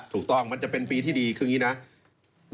ถูกต้องมันจะเป็นปีที่ดีคืออย่างงี้นะ